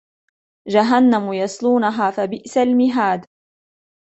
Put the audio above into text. جهنم يصلونها فبئس المهاد